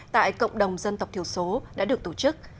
tại cộng đồng dân tộc thiểu số đã được tổ chức